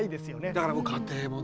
だから家庭もね